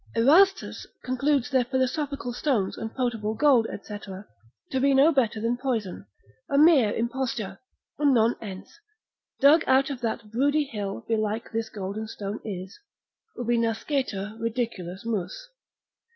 Erastus concludes their philosophical stones and potable gold, &c. to be no better than poison, a mere imposture, a non ens; dug out of that broody hill belike this golden stone is, ubi nascetur ridiculus mus.